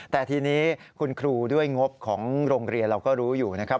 แต่ทีนี้คุณครูด้วยงบของโรงเรียนเราก็รู้อยู่นะครับ